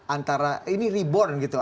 antara ini reborn gitu